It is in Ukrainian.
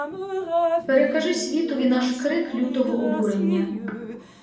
Перекажи світові наш крик лютого обурення.